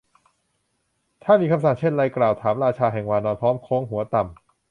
ท่านมีคำสั่งเช่นไร ? กล่าวถามราชาแห่งวานร พร้อมโค้งหัวต่ำ